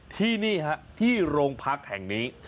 ที่นี่ฮะที่โรงพักแห่งนี้